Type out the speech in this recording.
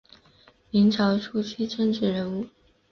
明朝初期政治人物。